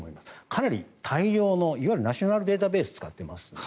かなり大量のいわゆるナショナルデータベースを使っています。